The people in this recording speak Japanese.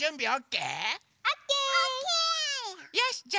よし！